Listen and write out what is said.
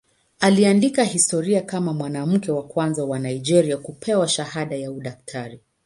Aliandika historia kama mwanamke wa kwanza wa Nigeria kupewa shahada ya udaktari.